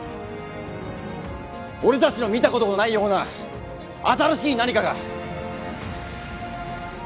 俺たちの見たことのないような新しい何かが。